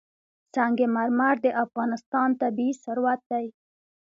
سنگ مرمر د افغانستان طبعي ثروت دی.